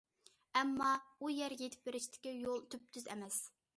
ئەمما، ئۇ يەرگە يېتىپ بېرىشتىكى يول تۈپتۈز ئەمەس.